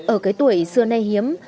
ở cái tuổi xưa nay hiếm